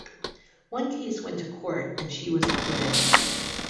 One case went to court and she was acquitted.